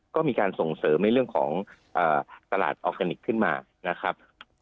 ก็มีการส่งเสริมในเรื่องของตลาดออร์แกนิคขึ้นมานะครับ